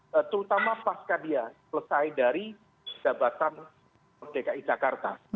terutama pasca dia selesai dari jabatan dki jakarta